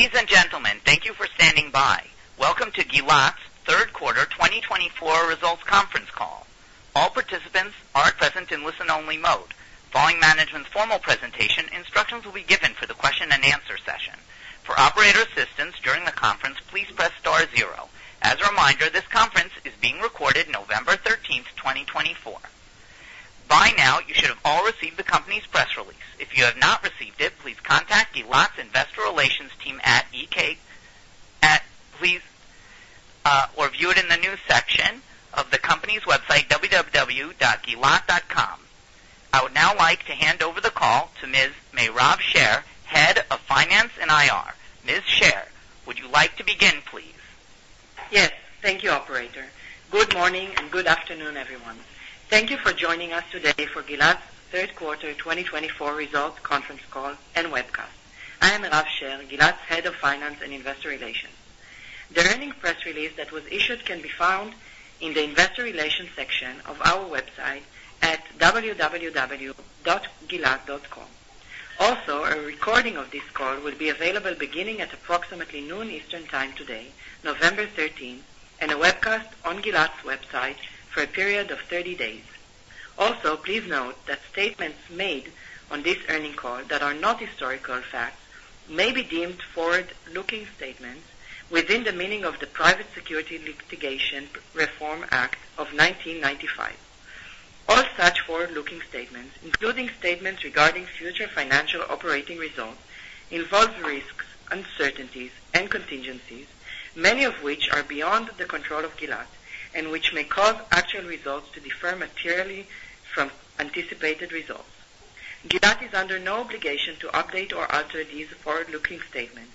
Ladies and gentlemen, thank you for standing by. Welcome to Gilat's Q3 2024 results conference call. All participants are present in listen-only mode. Following management's formal presentation, instructions will be given for the question-and-answer session. For operator assistance during the conference, please press star zero. As a reminder, this conference is being recorded November 13th, 2024. By now, you should have all received the company's press release. If you have not received it, please contact Gilat's investor relations team at IR@gilat.com, please, or view it in the news section of the company's website, www.gilat.com. I would now like to hand over the call to Ms. Mayrav Sher, head of finance and IR. Ms. Sher, would you like to begin, please? Yes. Thank you, operator. Good morning and good afternoon, everyone. Thank you for joining us today for Gilat's Q3 2024 results conference call and webcast. I am Ms. Sher, Gilat's head of finance and investor relations. The earnings press release that was issued can be found in the investor relations section of our website at www.gilat.com. Also, a recording of this call will be available beginning at approximately noon Eastern Time today, November 13th, and a webcast on Gilat's website for a period of 30 days. Also, please note that statements made on this earnings call that are not historical facts may be deemed forward-looking statements within the meaning of the Private Securities Litigation Reform Act of 1995. All such forward-looking statements, including statements regarding future financial operating results, involve risks, uncertainties, and contingencies, many of which are beyond the control of Gilat and which may cause actual results to differ materially from anticipated results. Gilat is under no obligation to update or alter these forward-looking statements,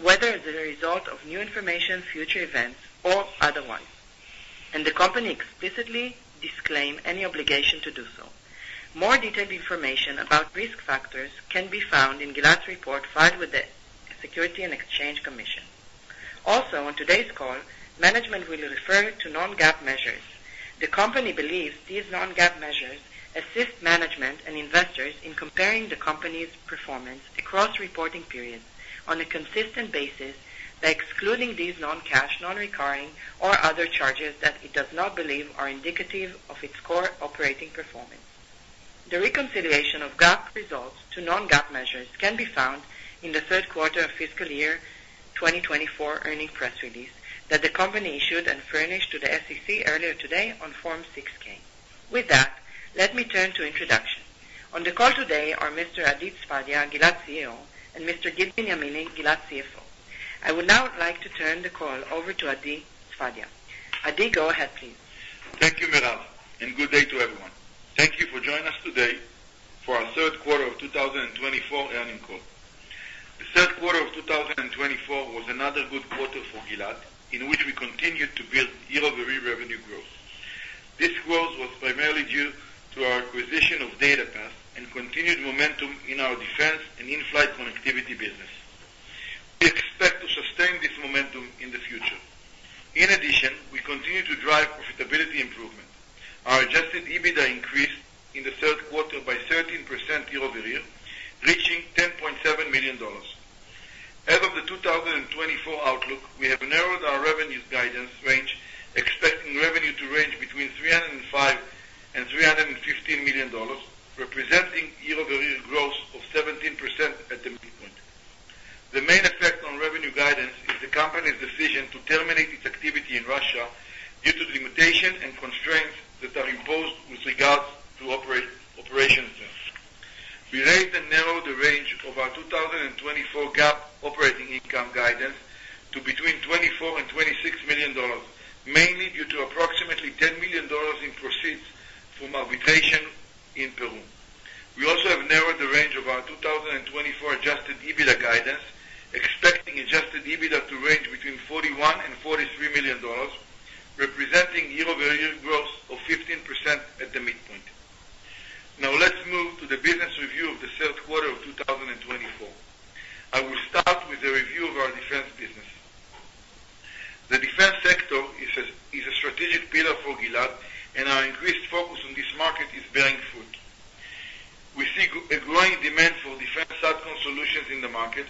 whether as a result of new information, future events, or otherwise, and the company explicitly disclaims any obligation to do so. More detailed information about risk factors can be found in Gilat's report filed with the Securities and Exchange Commission. Also, on today's call, management will refer to non-GAAP measures. The company believes these non-GAAP measures assist management and investors in comparing the company's performance across reporting periods on a consistent basis by excluding these non-cash, non-recurring, or other charges that it does not believe are indicative of its core operating performance. The reconciliation of GAAP results to non-GAAP measures can be found in the Q3 of fiscal year 2024 earnings press release that the company issued and furnished to the SEC earlier today on Form 6K. With that, let me turn to introductions. On the call today are Mr. Adi Sfadia, Gilat CEO, and Mr. Gil Benyamini, Gilat CFO. I would now like to turn the call over to Adi Sfadia. Adi, go ahead, please. Thank you, Ms. Sher, and good day to everyone. Thank you for joining us today for our Q3 of 2024 earnings call. The Q3 of 2024 was another good quarter for Gilat, in which we continued to build year-over-year revenue growth. This growth was primarily due to our acquisition of DataPath and continued momentum in our defense and in-flight connectivity business. We expect to sustain this momentum in the future. In addition, we continue to drive profitability improvement. Our Adjusted EBITDA increased in the Q3 by 13% year-over-year, reaching $10.7 million. As for the 2024 outlook, we have narrowed our revenue guidance range, expecting revenue to range between $305-$315 million, representing year-over-year growth of 17% at the midpoint. The main effect on revenue guidance is the company's decision to terminate its activity in Russia due to the limitations and constraints that are imposed with regards to operations there. We raised and narrowed the range of our 2024 GAAP operating income guidance to between $24-$26 million, mainly due to approximately $10 million in proceeds from arbitration in Peru. We also have narrowed the range of our 2024 Adjusted EBITDA guidance, expecting Adjusted EBITDA to range between $41-$43 million, representing year-over-year growth of 15% at the midpoint. Now, let's move to the business review of the Q3 of 2024. I will start with a review of our defense business. The defense sector is a strategic pillar for Gilat, and our increased focus on this market is bearing fruit. We see a growing demand for defense outcome solutions in the market,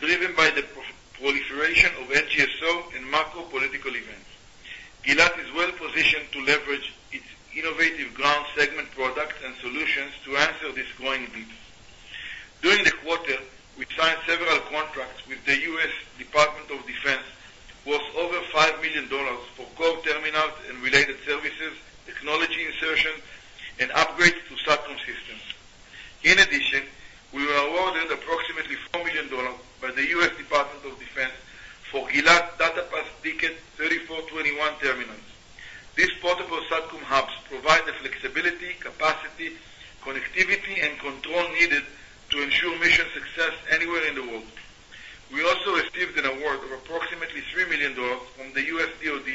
driven by the proliferation of NGSO and macro-political events. Gilat is well positioned to leverage its innovative ground segment products and solutions to answer this growing need. During the quarter, we signed several contracts with the U.S. Department of Defense worth over $5 million for core terminals and related services, technology insertion, and upgrades to SATCOM systems. In addition, we were awarded approximately $4 million by the U.S. Department of Defense for Gilat DataPath DKET 3421 terminals. These portable SATCOM hubs provide the flexibility, capacity, connectivity, and control needed to ensure mission success anywhere in the world. We also received an award of approximately $3 million from the U.S. DoD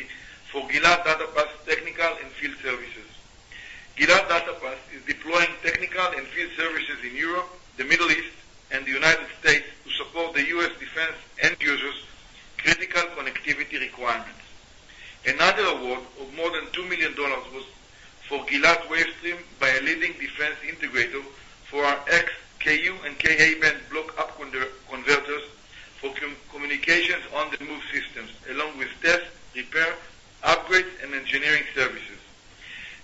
for Gilat DataPath technical and field services. Gilat DataPath is deploying technical and field services in Europe, the Middle East, and the United States to support the U.S. defense end users' critical connectivity requirements. Another award of more than $2 million was for Gilat Wavestream by a leading defense integrator for our X/Ku- and Ka-band block up converters for communications-on-the-move systems, along with test, repair, upgrade, and engineering services.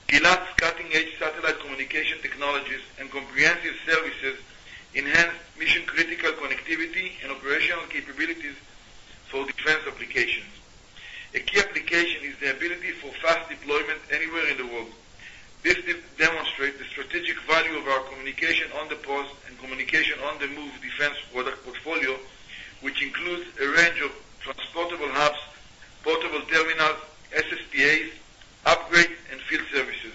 Gilat's cutting-edge satellite communication technologies and comprehensive services enhance mission-critical connectivity and operational capabilities for defense applications. A key application is the ability for fast deployment anywhere in the world. This demonstrates the strategic value of our communication-on-the-pause and communications-on-the-move defense product portfolio, which includes a range of transportable hubs, portable terminals, SSPAs, upgrades, and field services.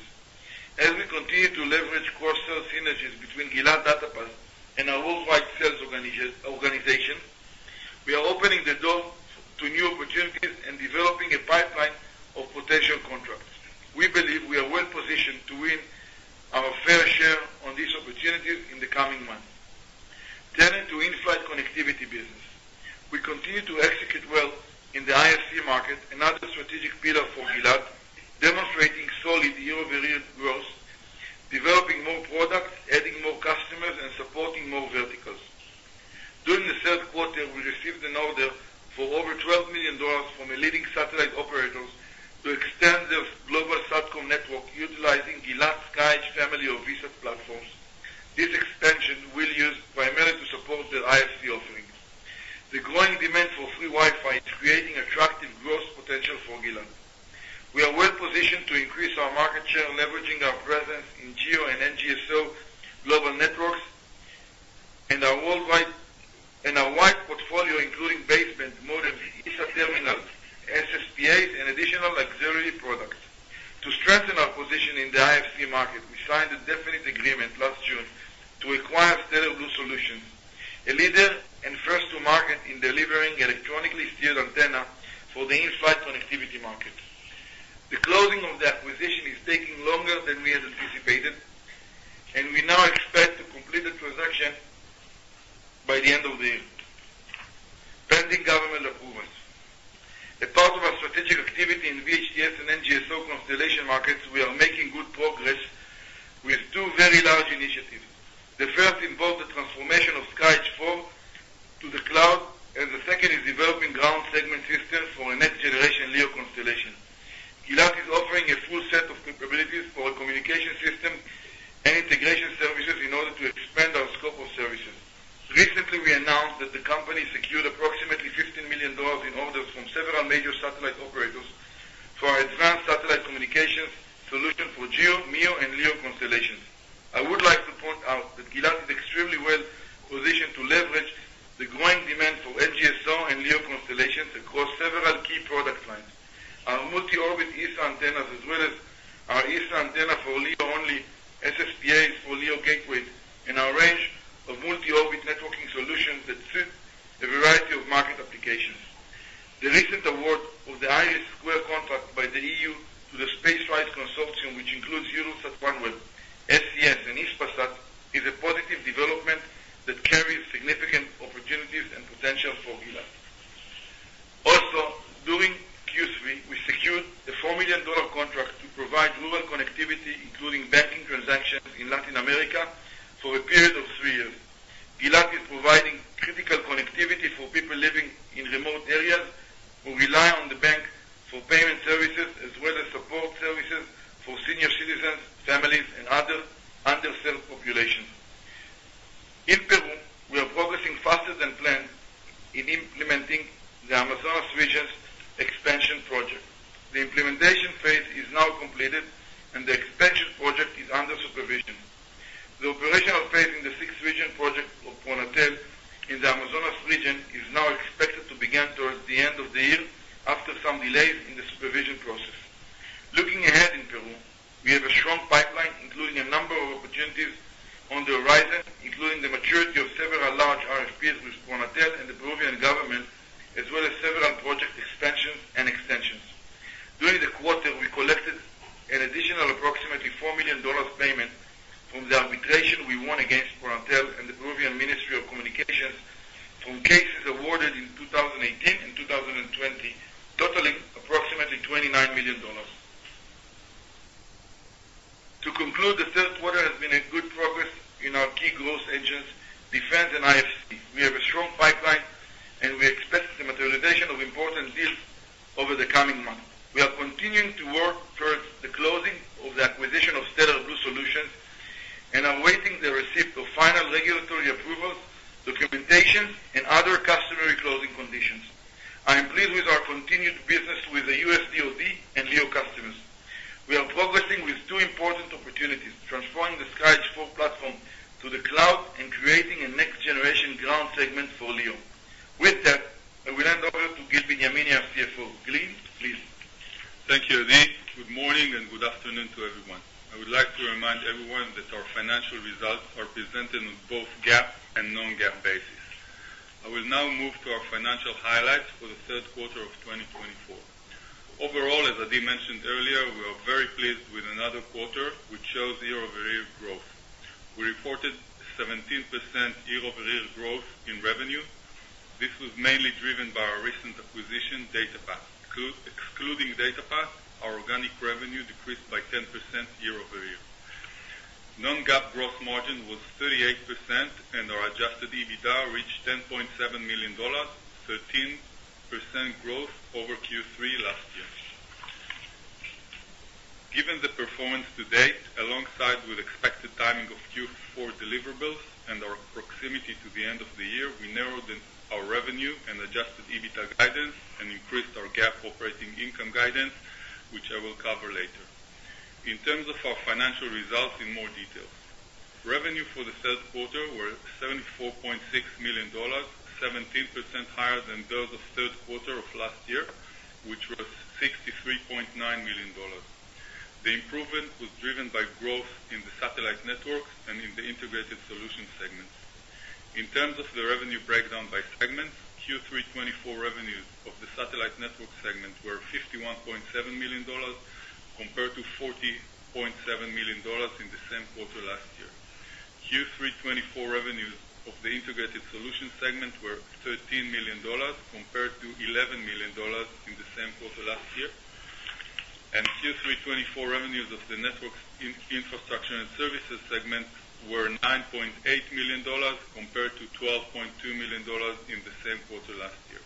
As we continue to leverage core sales synergies between Gilat DataPath and our worldwide sales organization, we are opening the door to new opportunities and developing a pipeline of potential contracts. We believe we are well positioned to win our fair share on these opportunities in the coming months. Turning to in-flight connectivity business, we continue to execute well in the IFC market, another strategic pillar for Gilat, demonstrating solid year-over-year growth, developing more products, adding more customers, and supporting more verticals. During the Q3, we received an order for over $12 million from a leading satellite operator to extend the global SATCOM network utilizing Gilat SkyEdge family of VSAT platforms. This expansion will be used primarily to support the IFC offerings. The growing demand for free Wi-Fi is creating attractive growth potential for Gilat. We are well positioned to increase our market share, leveraging our presence in GEO and NGSO global networks and our wide portfolio, including baseband modems, ESA terminals, SSPAs, and additional auxiliary products. To strengthen our position in the IFC market, we signed a definite agreement last June to acquire Stellar Blu Solutions, a leader and first-to-market in delivering electronically steered antennas for the in-flight connectivity market. The closing of the acquisition is taking longer than we had anticipated, and we now expect to complete the transaction by the end of the year, pending government approvals. As part of our strategic activity in VHDS and NGSO constellation markets, we are making good progress with two very large initiatives. The first involves the transformation of SkyEdge IV to the cloud, and the second is developing ground segment systems for a next-generation LEO constellation. Gilat is offering a full set of capabilities for a communication system and integration services in order to expand our scope of services. Recently, we announced that the company secured approximately $15 million in orders from several major satellite operators for our advanced satellite communications solution for GEO, MEO, and LEO constellations. I would like to point out that Gilat is extremely well positioned to leverage the growing demand for NGSO and LEO constellations across several key product lines: our multi-orbit ESA antennas, as well as our ESA antenna for LEO only, SSPAs for LEO gateways, and our range which I will cover later. In terms of our financial results in more detail, revenue for the Q3 was $74.6 million, 17% higher than those of the Q3 of last year, which was $63.9 million. The improvement was driven by growth in the satellite networks and in the integrated solution segments. In terms of the revenue breakdown by segments, Q324 revenues of the satellite network segment were $51.7 million compared to $40.7 million in the same quarter last year. Q324 revenues of the integrated solution segment were $13 million compared to $11 million in the same quarter last year, and Q324 revenues of the network infrastructure and services segment were $9.8 million compared to $12.2 million in the same quarter last year.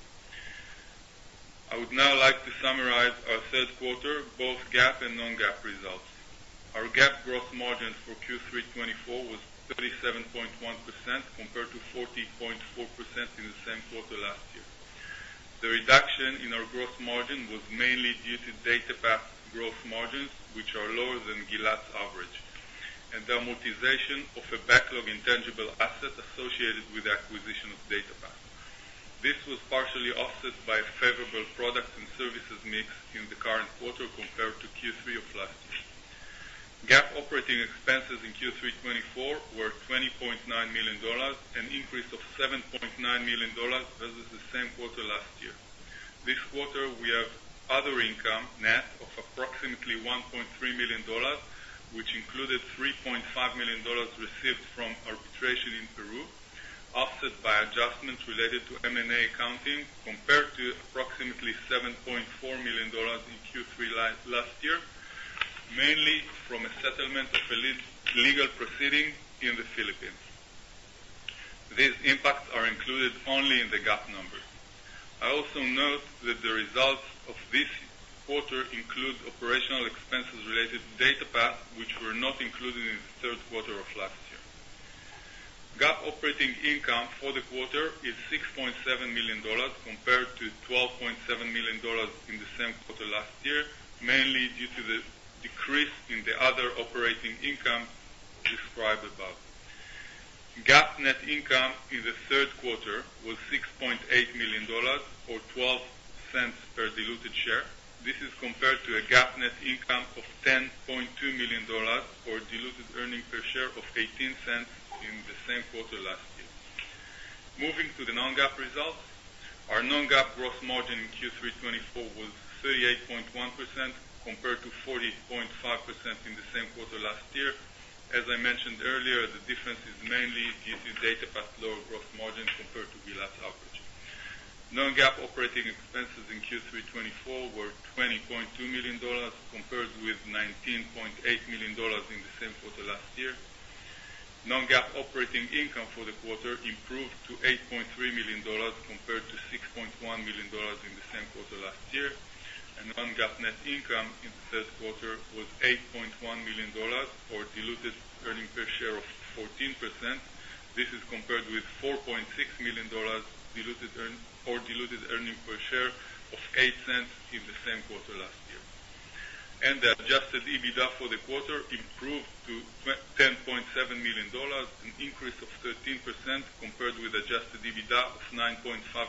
I would now like to summarize our Q3, both GAAP and non-GAAP results. Our GAAP gross margin for Q324 was 37.1% compared to 40.4% in the same quarter last year. The reduction in our gross margin was mainly due to DataPath gross margins, which are lower than Gilat's average, and the amortization of a backlog intangible asset associated with the acquisition of DataPath. This was partially offset by a favorable product and services mix in the current quarter compared to Q3 of last year. GAAP operating expenses in Q324 were $20.9 million, an increase of $7.9 million versus the same quarter last year. This quarter, we have other income net of approximately $1.3 million, which included $3.5 million received from arbitration in Peru, offset by adjustments related to M&A accounting compared to approximately $7.4 million in Q3 last year, mainly from a settlement of a legal proceeding in the Philippines. These impacts are included only in the GAAP number. I also note that the results of this quarter include operational expenses related to DataPath, which were not included in the Q3 of last year. GAAP operating income for the quarter is $6.7 million compared to $12.7 million in the same quarter last year, mainly due to the decrease in the other operating income described above. GAAP net income in the Q3 was $6.8 million, or $0.12 per diluted share. This is compared to a GAAP net income of $10.2 million, or diluted earnings per share of $0.18 in the same quarter last year. Moving to the non-GAAP results, our non-GAAP gross margin in Q324 was 38.1% compared to 40.5% in the same quarter last year. As I mentioned earlier, the difference is mainly due to DataPath's lower gross margin compared to Gilat's average. Non-GAAP operating expenses in Q324 were $20.2 million compared with $19.8 million in the same quarter last year. Non-GAAP operating income for the quarter improved to $8.3 million compared to $6.1 million in the same quarter last year. Non-GAAP net income in the third quarter was $8.1 million, or diluted earnings per share of 14%. This is compared with $4.6 million or diluted earnings per share of $0.08 in the same quarter last year. The Adjusted EBITDA for the quarter improved to $10.7 million, an increase of 13% compared with Adjusted EBITDA of $9.5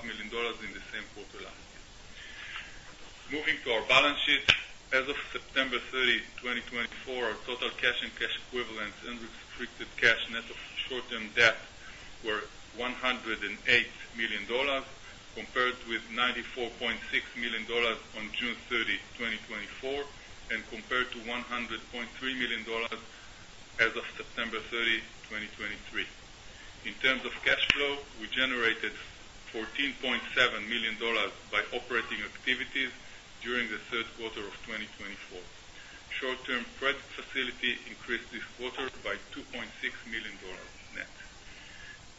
million in the same quarter last year. Moving to our balance sheet, as of September 30, 2024, our total cash and cash equivalents and restricted cash net of short-term debt were $108 million compared with $94.6 million on June 30, 2024, and compared to $100.3 million as of September 30, 2023. In terms of cash flow, we generated $14.7 million by operating activities during the Q3 of 2024. Short-term credit facility increased this quarter by $2.6 million net.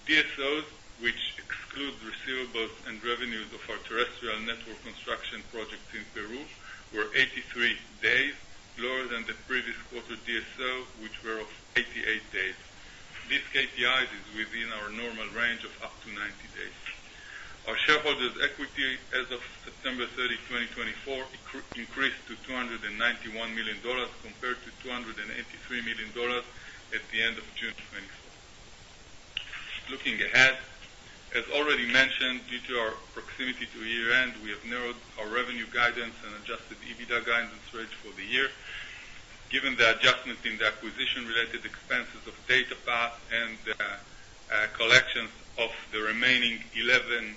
DSOs, which exclude receivables and revenues of our terrestrial network construction projects in Peru, were 83 days, lower than the previous quarter DSO, which were of 88 days. This KPI is within our normal range of up to 90 days. Our shareholders' equity as of September 30, 2024, increased to $291 million compared to $283 million at the end of June 2024. Looking ahead, as already mentioned, due to our proximity to year-end, we have narrowed our revenue guidance and Adjusted EBITDA guidance rate for the year. Given the adjustment in the acquisition-related expenses of DataPath and the collections of the remaining $11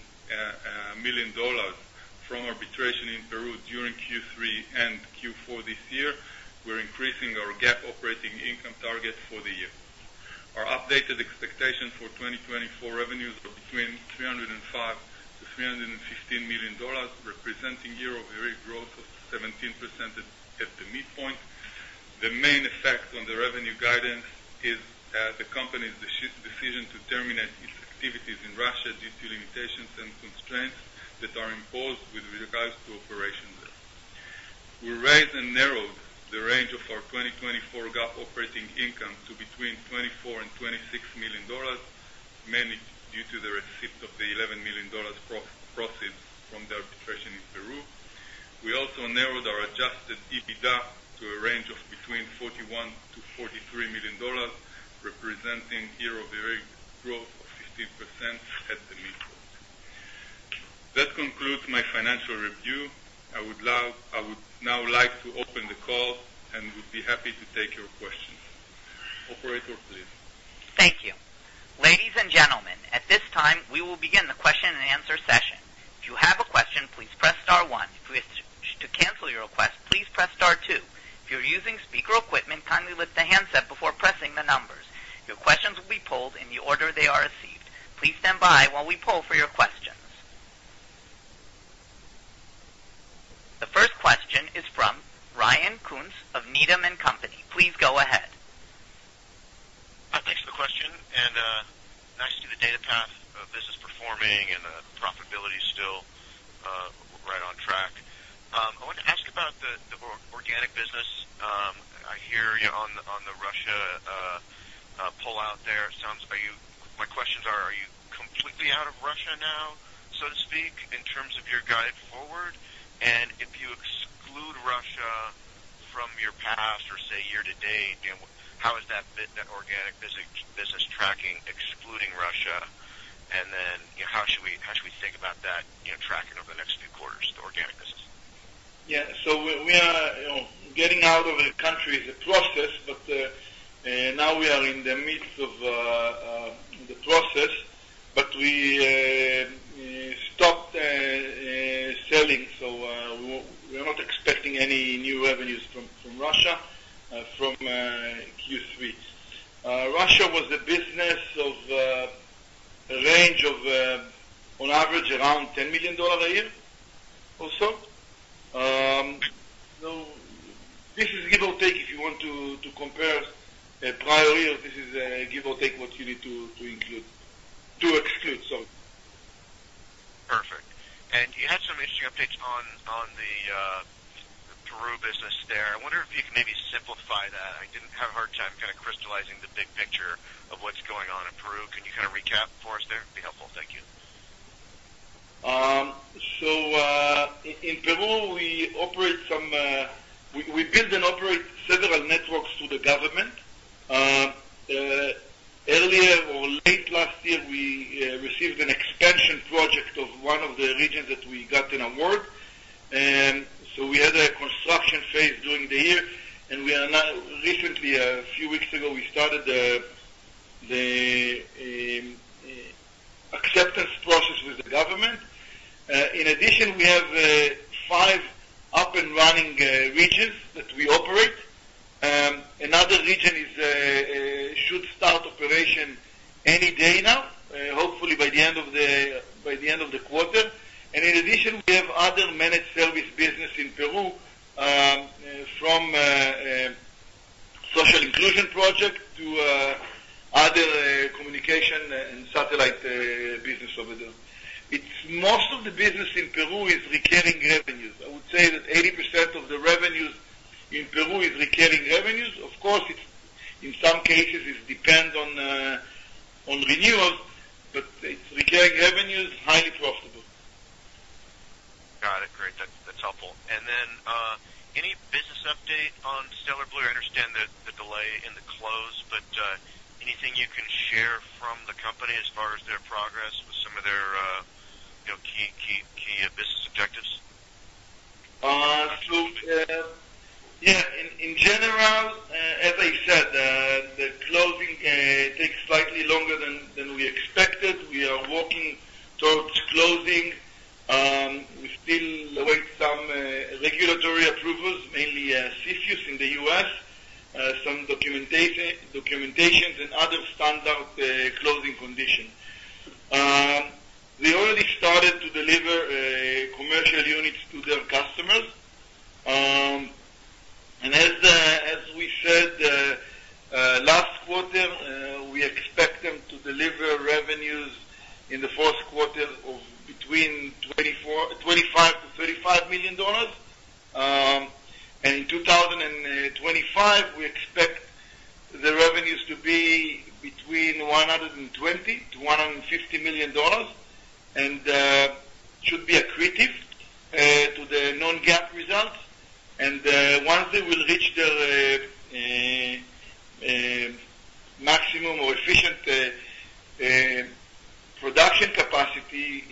million from arbitration in Peru during Q3 and Q4 this year, we're increasing our GAAP operating income target for the year. Our updated expectations for 2024 revenues are between $305-$315 million, representing year-over-year growth of 17% at the midpoint. The main effect on the revenue guidance is the company's decision to terminate its activities in Russia due to limitations and constraints that are imposed with regards to operations there. We raised and narrowed the range of our 2024 GAAP operating income to between $24 and $26 million, mainly due to the receipt of the $11 million proceeds from the arbitration in Peru. We also narrowed our Adjusted EBITDA to a range of between $41-$43 million, representing year-over-year growth of 15% at the midpoint. That concludes my financial review. I would now like to open the call and would be happy to take your questions. Operator, please. Thank you. Ladies and gentlemen, at this time, we will begin the question-and-answer session. If you have a question, please press star one. If you wish to cancel your request, please press star two. If you're using speaker equipment, kindly lift the handset before pressing the numbers. Your questions will be polled in the order they are received. Please stand by while we poll for your questions. The first question is from Ryan Koontz of Needham & Company. Please go ahead. Thanks for the question, and nice to see the DataPath business performing and the profitability still right on track. I wanted to ask about the organic business. I hear on the Russia pullout there, it sounds like my questions are, are you completely out of Russia now, so to speak, in terms of your guide forward? And if you exclude Russia from your past or say year to date, how has that fit that organic business tracking, excluding Russia? And then how should we think about that tracking over the next few quarters, the organic business? Yeah. So we are getting out of the country is a process, but now we are in the midst of the process, but we stopped selling. So we are not expecting any new revenues from Russia from Q3. Russia was a business of a range of, on average, around $10 million a year or so. So this is give or take if you want to compare prior years. This is give or take what you need to exclude, sorry. Perfect. And you had some interesting updates on the Peru business there. I wonder if you can maybe simplify that. I didn't have a hard time kind of crystallizing the big picture of what's going on in Peru. Can you kind of recap for us there? It'd be helpful. Thank you. So in Peru, we built and operate several networks to the government. Earlier or late last year, we received an expansion project of one of the regions that we got an award. So we had a construction phase during the year. And recently, a few weeks ago, we started the acceptance process with the government. In addition, we have five up-and-running regions that we operate. Another region should start operation any day now, hopefully by the end of the quarter. And in addition, we have other managed service business in Peru from social inclusion projects to other communication and satellite business over there. Most of the business in Peru is recurring revenues. I would say that 80% of the revenues in Peru is recurring revenues. Of course, in some cases, it depends on renewals, but it's recurring revenues, highly profitable. Got it. Great. That's helpful. And then any business update on Stellar Blu? I understand the delay in the close, but anything you can share from the company as far as their progress with some of their key business objectives? So yeah, in general, as I said, the closing takes slightly longer than we expected. We are working towards closing. We still await some regulatory approvals, mainly CFIUS in the U.S., some documentation, and other standard closing conditions. We already started to deliver commercial units to their customers. And as we said last quarter, we expect them to deliver revenues in the Q4 of $25-$35 million. And in 2025, we expect the revenues to be $120-$150 million and should be accretive to the non-GAAP results. And once they will reach their maximum or efficient production capacity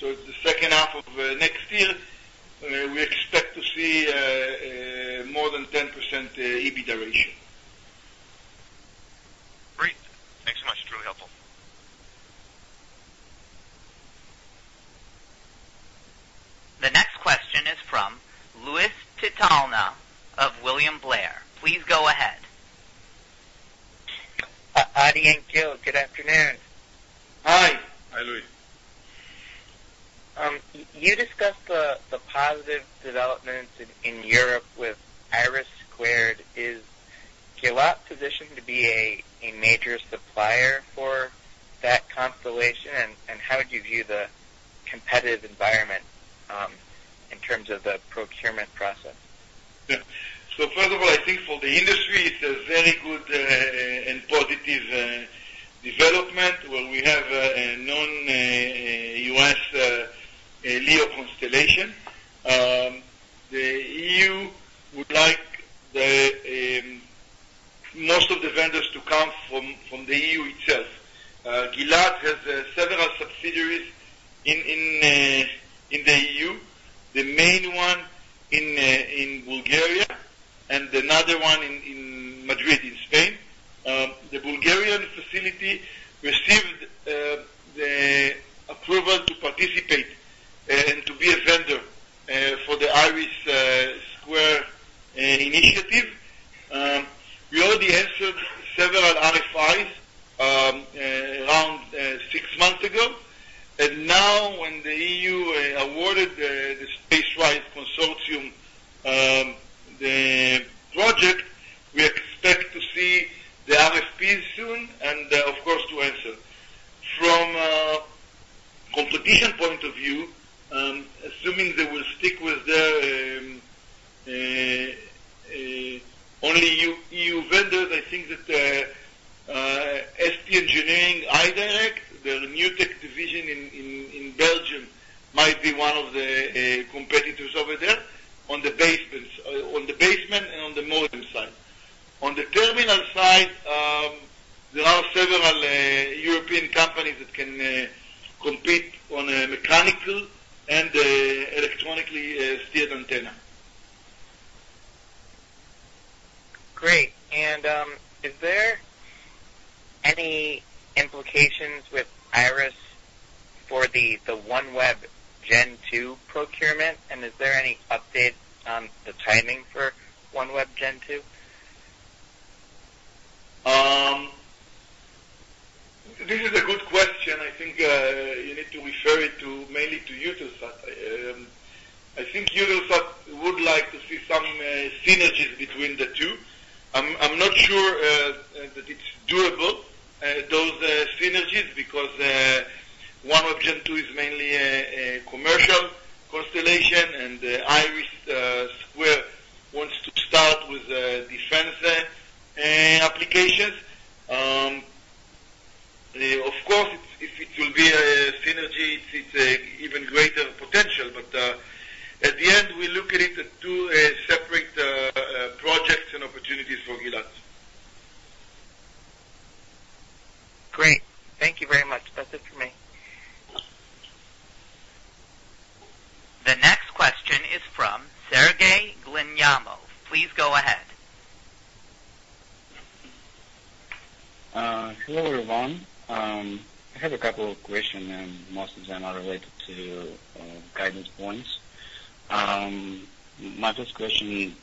towards the second half of next year, we expect to see more than 10% EBITDA ratio. Great. Thanks so much. It's really helpful. The next question is from Louie DiPalma of William Blair. Please go ahead. Adi and Gil, good afternoon. Hi. Hi, Louie. You discussed the positive developments in Europe with Iris Squared. Is Gilat positioned to be a major supplier for that constellation? And how would you view the competitive environment in terms of the procurement process? Yeah. So first of all, I think for the industry, it's a very good and positive development where we have a non-US LEO constellation. The EU would like most of the vendors to come from the EU itself. Gilat has several subsidiaries in the EU, the main one in Bulgaria and another one in Madrid, in Spain. The Bulgarian facility received the approval to participate and to be a vendor for the Iris Square initiative. We already answered several RFIs around six months ago. And now, when the EU awarded the SpaceRISEConsortium the project, we expect to see the RFPs soon and, of course, to answer. From a competition point of view, assuming they will stick with their only EU vendors, I think that ST Engineering iDirect, their new tech division in Belgium, might be one of the competitors over there on the baseband and on the modem side. On the terminal side, there are several European companies that can compete on a mechanical and electronically steered antenna. Great. And is there any implications with IRIS² for the OneWeb Gen2 procurement? And is there any update on the timing for OneWeb Gen2? This is a good question. I think you need to refer it mainly to Eutelsat. I think Eutelsat would like to see some synergies between the two. I'm not sure that it's doable, those synergies, because OneWeb Gen2 is mainly a commercial constellation, and Iris Square wants to start with defense applications. Of course, if it will be a synergy, it's an even greater potential. But at the end, we look at it as two separate projects and opportunities for Gilat. Great. Thank you very much. That's it for me. The next question is from Sergey Glinyanov. Please go ahead. Hello, everyone. I have a couple of questions, and most of them are related to guidance points. My first question: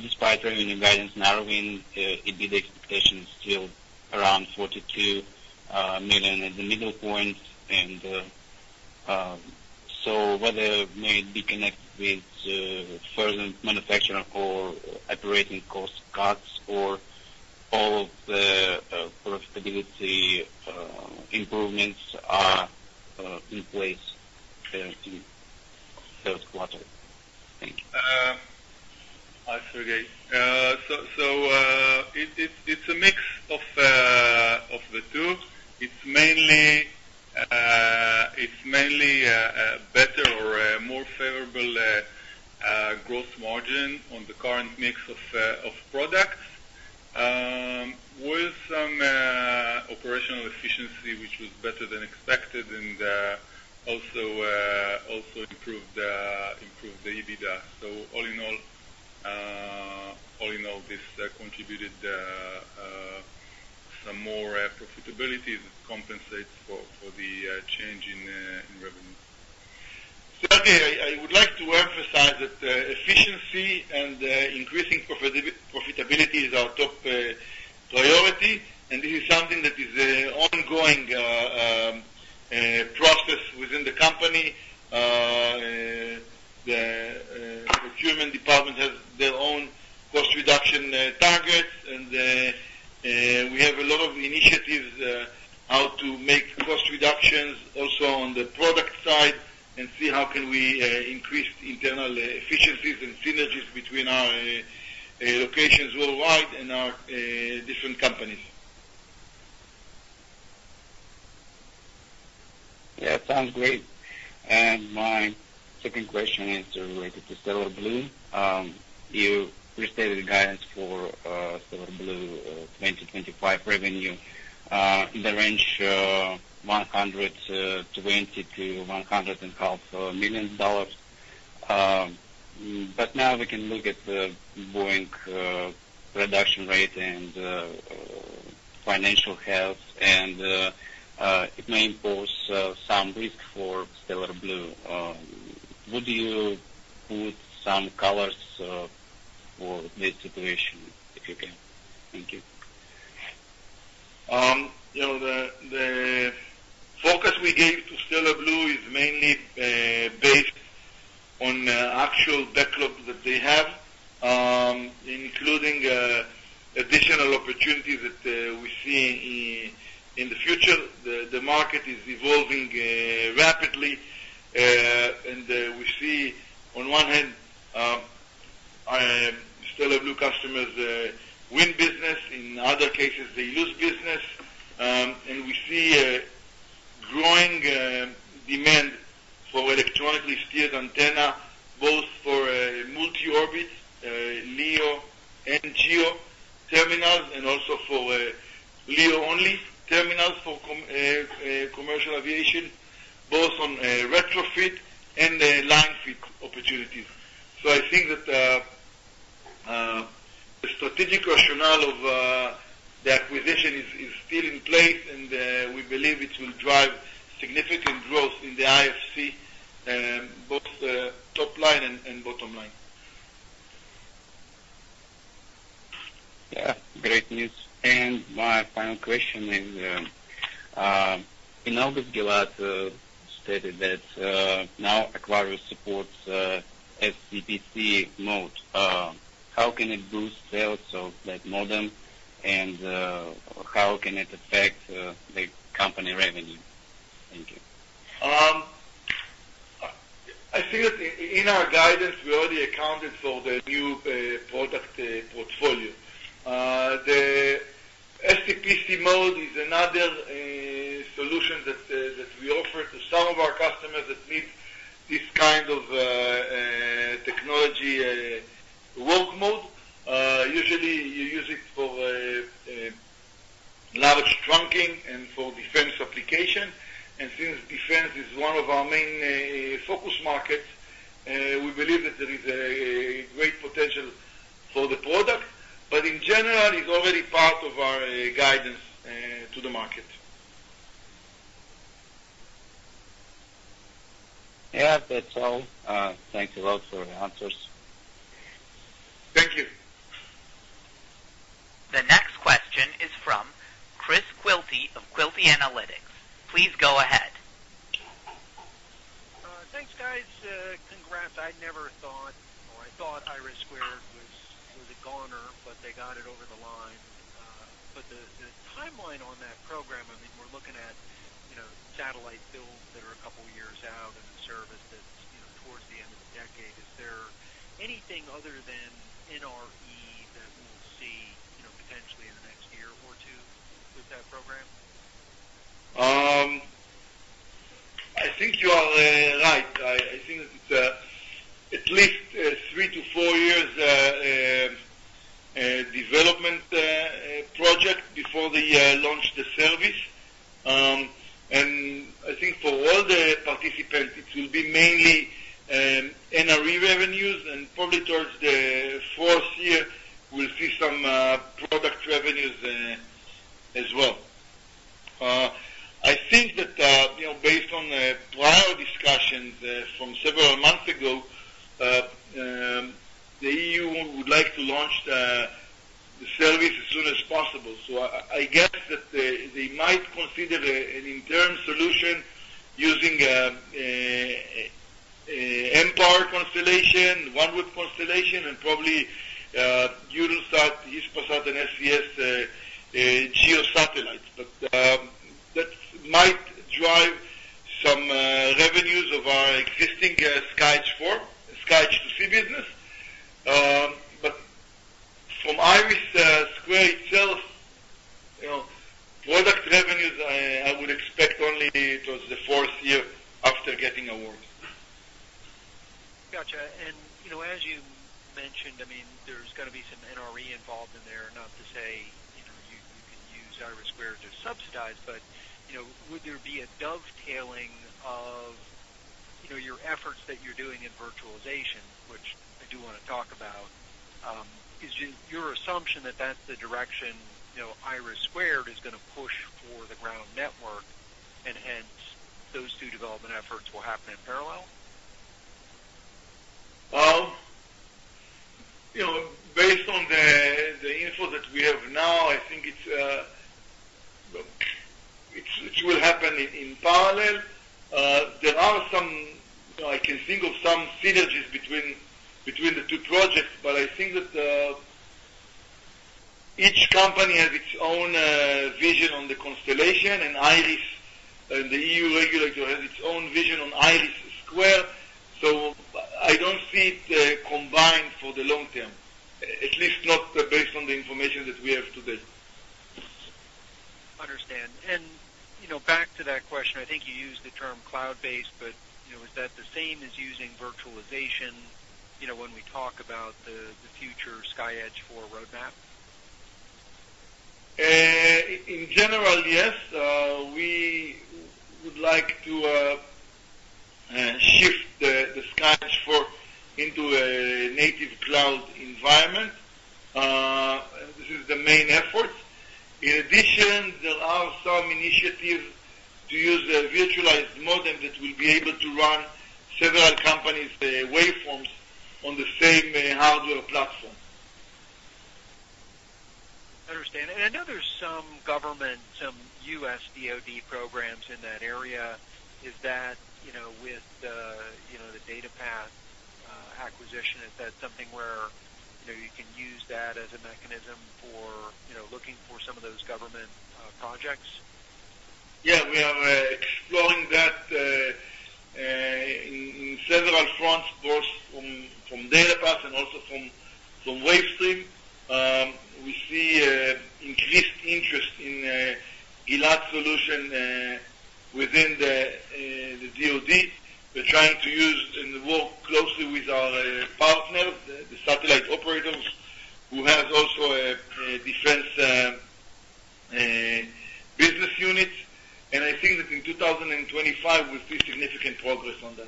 despite having a guidance narrowing, it beat expectations still around $42 million at the middle point, and so whether it may be connected with further manufacturing or operating cost cuts or all of the profitability improvements are in place in the Q3? Thank you. Hi, Sergey. It's a mix of the two. It's mainly a better or more favorable gross margin on the current mix of products with some operational efficiency, which was better than expected and also improved the EBITDA. All in all, this contributed some more profitability that compensates for the change in revenue. Again, I would like to emphasize that efficiency and increasing profitability is our top priority. This is something that is an ongoing process within the company. The procurement department has their own cost reduction targets, and we have a lot of initiatives how to make cost reductions also on the product side and see how can we increase internal efficiencies and synergies between our locations worldwide and our different companies. Yeah, it sounds great. And my second question is related to Stellar Blu. You stated guidance for Stellar Blu 2025 revenue in the range of $120 million-$100.5 million. But now we can look at the Boeing production rate and financial health, and it may impose some risk for Stellar Blu. Would you put some colors for this situation if you can? Thank you. The focus we gave to Stellar Blu is mainly based on actual backlog that they have, including additional opportunities that we see in the future. The market is evolving rapidly, and we see, on one hand, Stellar Blu customers win business. In other cases, they lose business, and we see growing demand for electronically steered antenna, both for multi-orbit, LEO, and GEO terminals, and also for LEO-only terminals for commercial aviation, both on retrofit and line fit opportunities, so I think that the strategic rationale of the acquisition is still in place, and we believe it will drive significant growth in the IFC, both top line and bottom line. Yeah, great news, and my final question is, in all that Gilat stated, that now Aquarius supports SCPC mode. How can it boost sales of that modem, and how can it affect the company revenue? Thank you. I think that in our guidance, we already accounted for the new product portfolio. The SCPC mode is another solution that we offer to some of our customers that need this kind of technology work mode. Usually, you use it for large trunking and for defense application, and since defense is one of our main focus markets, we believe that there is a great potential for the product, but in general, it's already part of our guidance to the market. Yeah, that's all. Thank you a lot for the answers. Thank you. The next question is from Chris Quilty of Quilty Analytics. Please go ahead. Thanks, guys. Congrats. I never thought, or I thought Iris Square was a goner, but they got it over the line. But the timeline on that program, I mean, we're looking at satellite builds that are a couple of years out in the service that's towards the end of the decade. Is there anything other than NRE that we'll see potentially in the next year or two with that program? I think you are right. I think that it's at least a three-to-four years development project before they launch the service, and I think for all the participants, it will be mainly NRE revenues, and probably towards the fourth year, we'll see some product revenues as well. I think that based on prior discussions from several months ago, the EU would like to launch the service as soon as possible, so I guess that they might consider an interim solution using Empower constellation, OneWeb constellation, and probably Eutelsat, Hispasat, and SES GEO satellites. But that might drive some revenues of our existing SkyEdge II-c business, but from Iris Square itself, product revenues, I would expect only towards the fourth year after getting awards. Gotcha. And as you mentioned, I mean, there's going to be some NRE involved in there, not to say you can use IRIS² to subsidize. But would there be a dovetailing of your efforts that you're doing in virtualization, which I do want to talk about? Is your assumption that that's the direction IRIS² is going to push for the ground network, and hence those two development efforts will happen in parallel? Based on the info that we have now, I think it will happen in parallel. There are some I can think of synergies between the two projects, but I think that each company has its own vision on the constellation. Iris, the EU regulator, has its own vision on Iris Square. I don't see it combined for the long term, at least not based on the information that we have today. Understand. And back to that question, I think you used the term cloud-based, but is that the same as using virtualization when we talk about the future SkyEdge IV roadmap? In general, yes. We would like to shift the SkyEdge-4 into a native cloud environment. This is the main effort. In addition, there are some initiatives to use a virtualized modem that will be able to run several companies' waveforms on the same hardware platform. Understand. And I know there's some government, some U.S. DoD programs in that area. Is that with the DataPath acquisition, is that something where you can use that as a mechanism for looking for some of those government projects? Yeah, we are exploring that in several fronts, both from DataPath and also from Wavestream. We see increased interest in Gilat solution within the DoD. We're trying to use and work closely with our partners, the satellite operators, who have also a defense business unit. And I think that in 2025, we'll see significant progress on that.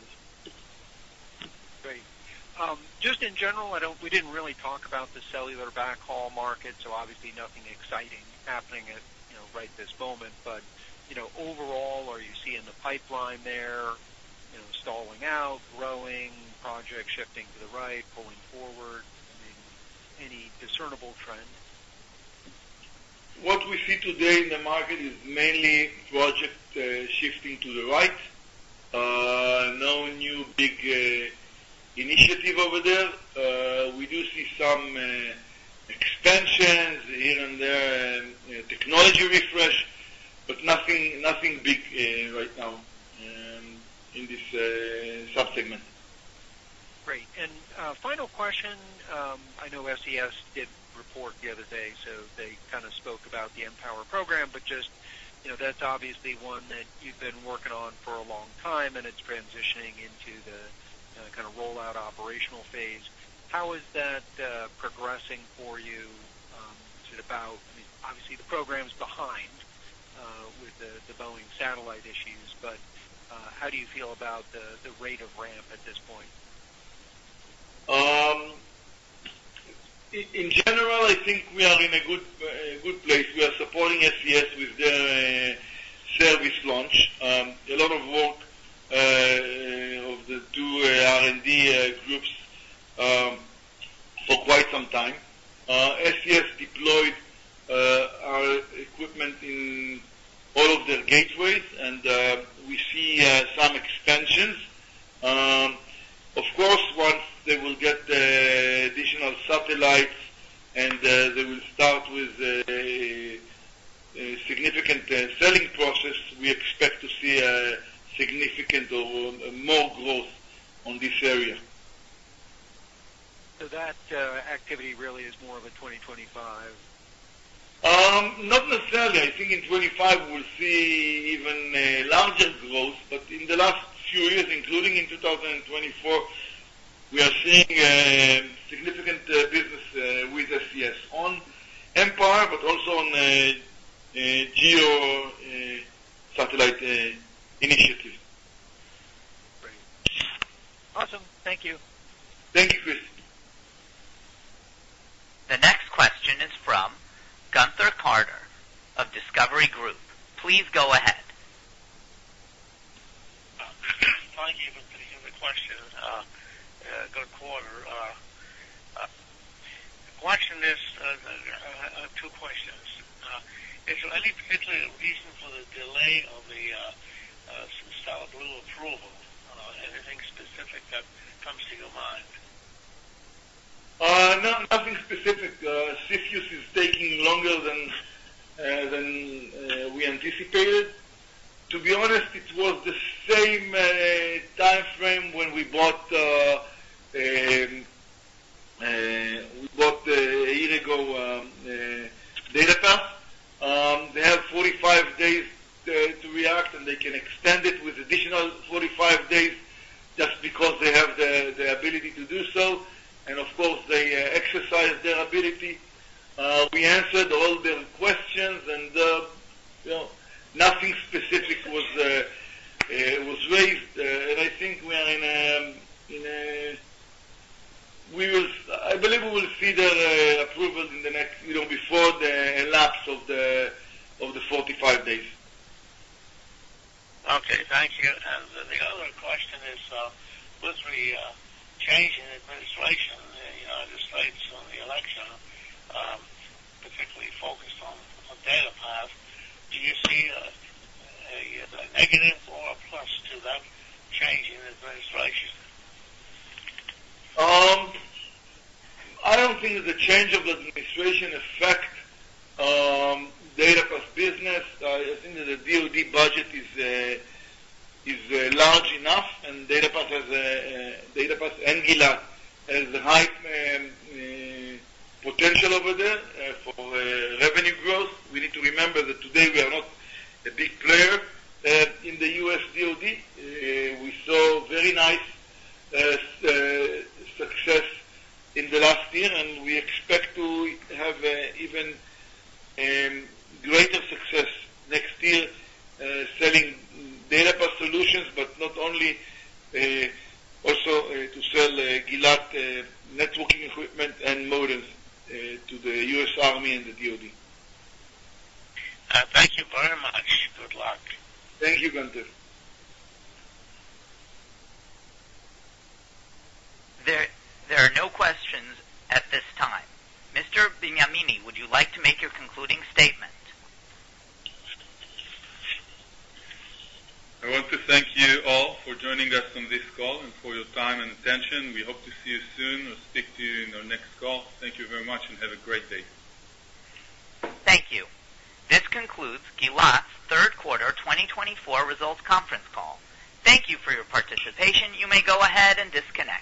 Great. Just in general, we didn't really talk about the cellular backhaul market, so obviously nothing exciting happening right this moment. But overall, are you seeing the pipeline there stalling out, growing, projects shifting to the right, pulling forward? I mean, any discernible trend? What we see today in the market is mainly projects shifting to the right. No new big initiative over there. We do see some expansions here and there, technology refresh, but nothing big right now in this subsegment. Great. And final question. I know SES did report the other day, so they kind of spoke about the Empower program, but just that's obviously one that you've been working on for a long time, and it's transitioning into the kind of rollout operational phase. How is that progressing for you? I mean, obviously, the program's behind with the Boeing satellite issues, but how do you feel about the rate of ramp at this point? In general, I think we are in a good place. We are supporting SES with their service launch. A lot of work of the two R&D groups for quite some time. SES deployed our equipment in all of their gateways, and we see some expansions. Of course, once they will get the additional satellites and they will start with a significant selling process, we expect to see significant or more growth on this area. So that activity really is more of a 2025? Not necessarily. I think in 2025, we'll see even larger growth. But in the last few years, including in 2024, we are seeing significant business with SES on Empower, but also on GeoSatellite initiative. Great. Awesome. Thank you. Thank you, Chris. The next question is from Gunther Karger of Discovery Group. Please go ahead. Thank you for taking the question, Gunther Karger. The question is, I have two questions. Is there any particular reason for the delay of the Stellar Blu approval? Anything specific that comes to your mind? Nothing specific. CFIUS is taking longer than we anticipated. To be honest, it was the same timeframe when we bought a year ago DataPath. They have 45 days to react, and they can extend it with additional 45 days just because they have the ability to do so. And of course, they exercise their ability. We answered all their questions, and nothing specific was raised. And I think I believe we will see their approval before the lapse of the 45 days. Okay. Thank you. And the other question is, with the change in administration, the stakes on the election, particularly focused on DataPath, do you see a negative or a plus to that change in administration? I don't think that the change of administration affects DataPath's business. I think that the DoD budget is large enough, and DataPath and Gilat have the right potential over there for revenue growth. We need to remember that today we are not a big player in the U.S. DoD. We saw very nice success in the last year, and we expect to have even greater success next year selling DataPath solutions, but not only, also to sell Gilat networking equipment and modems to the U.S. Army and the DoD. Thank you very much. Good luck. Thank you, Gunther. There are no questions at this time. Mr. Benyamini, would you like to make your concluding statement? I want to thank you all for joining us on this call and for your time and attention. We hope to see you soon or speak to you in our next call. Thank you very much, and have a great day. Thank you. This concludes Gilat's Q3 2024 results conference call. Thank you for your participation. You may go ahead and disconnect.